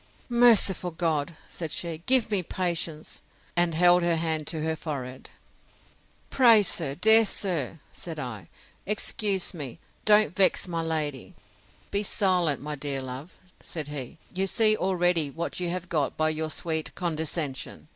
Merciful God! said she, give me patience! and held her hand to her forehead. Pray, sir, dear sir, said I, excuse me, don't vex my lady:—Be silent, my dear love, said he; you see already what you have got by your sweet condescension.